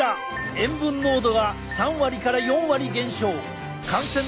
塩分濃度が３割から４割減少！